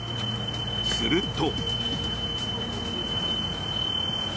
すると。